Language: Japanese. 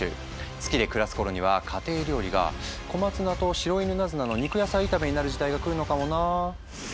月で暮らす頃には家庭料理がコマツナとシロイヌナズナの肉野菜炒めになる時代が来るのかもなあ。